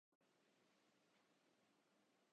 خاندان کے دیگر افراد کو اس طرح باہر رکھا گیا ہے۔